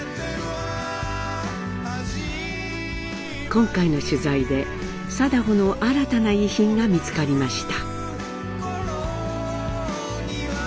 今回の取材で禎穗の新たな遺品が見つかりました。